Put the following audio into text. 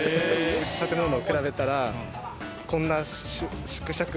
建物を比べたらこんな縮尺。